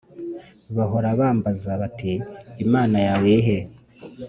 Bahora bambaza bati imana yawe irihe